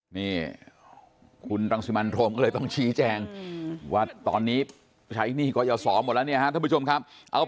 มีคะแนนปัดเศษมาอย่าทะเลงตัว